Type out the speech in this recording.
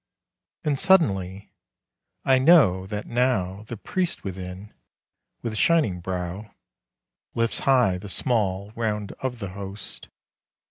And suddenly I know that now The priest within, with shining brow, Lifts high the small round of the Host.